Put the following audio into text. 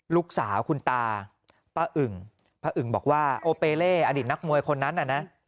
ลูกสาวคุณตาป้าอึ่งป้าอึ่งบอกว่าโอเปเล่อดีตนักมวยคนนั้นน่ะนะ